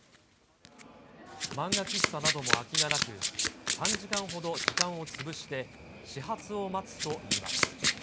漫画喫茶なども空きがなく、３時間ほど時間を潰して、始発を待つといいます。